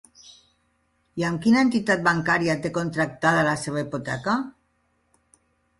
I amb quina entitat bancària té contractada la seva hipoteca?